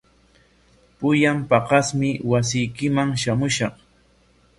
Pullan paqasmi wasiykiman shamushaq.